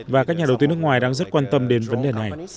và các nhà đầu tư nước ngoài đang rất quan tâm đến vấn đề này